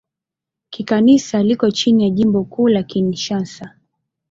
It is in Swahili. Kikanisa liko chini ya Jimbo Kuu la Kinshasa.